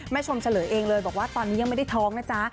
ชมเฉลยเองเลยบอกว่าตอนนี้ยังไม่ได้ท้องนะจ๊ะ